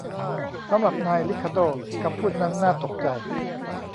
สำหรับนายริคาร์โด้คำพูดนั้นน่าตกใจ